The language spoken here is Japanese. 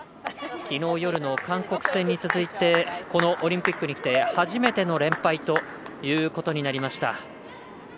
きのう夜の韓国戦に続いてこのオリンピックにきて初めての連敗ということになりました。